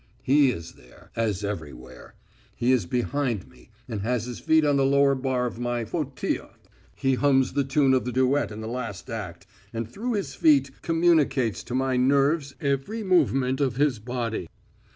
He is there, as everywhere. He is behind me, and has his feet on the lower bar of my fauteuil. He hums the tune of the duet in the last act, and through his feet communicates to my nerves every movement of his body.